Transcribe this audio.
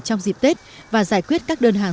trong dịp tết và giải quyết các đơn hàng